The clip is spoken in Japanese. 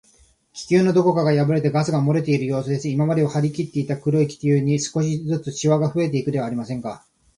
気球のどこかがやぶれて、ガスがもれているようすです。今まではりきっていた黒い気球に、少しずつしわがふえていくではありませんか。